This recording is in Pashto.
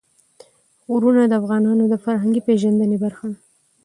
غرونه د افغانانو د فرهنګي پیژندنې برخه ده.